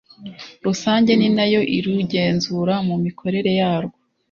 Rusange ninayo irugenzura mu mikorere yarwo